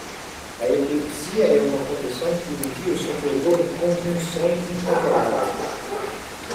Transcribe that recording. A epilepsia é uma condição que envia o sofredor em convulsões incontroláveis.